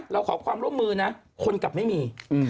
เราขอความร่วมมือนะคนกลับไม่มี